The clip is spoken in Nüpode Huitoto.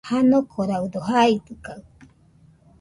Janokoraɨdo jaitɨkaɨ.